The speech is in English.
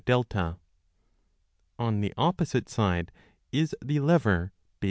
30 On the opposite side is the lever BF.